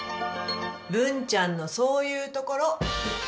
文ちゃんのそういうところ。